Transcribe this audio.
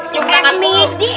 cuma makan tuh